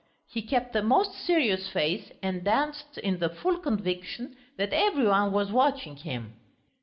He kept the most serious face and danced in the full conviction that every one was watching him.